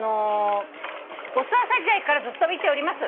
「『おそ朝』時代からずっと見ております」